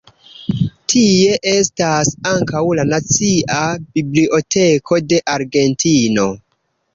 Tie estas ankaŭ la Nacia Biblioteko de Argentino.